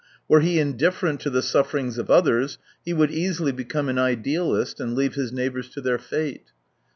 Were he indifferent to the sufferings of others, he would easily become an idealist and leave his neighbours to their fate.